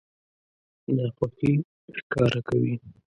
ناخوښي ښکاره کوي.